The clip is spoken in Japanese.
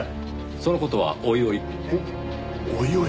その事はおいおい。